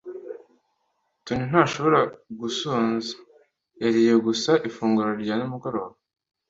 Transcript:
Toni ntashobora gusonza. Yariye gusa ifunguro rya nimugoroba.